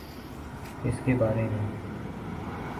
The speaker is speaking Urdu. اس کے بارے میں